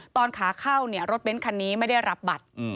ตอนขาเข้ารถเบ้นคันนี้ไม่ได้รับบัตร